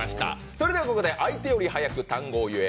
それではここで相手より早く単語を言え！